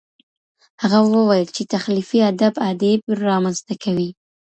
هغه وویل چي تخلیقي ادب ادئب رامنځته کوي.